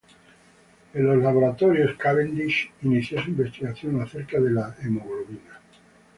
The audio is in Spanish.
En los Laboratorios Cavendish inició su investigación acerca de la hemoglobina.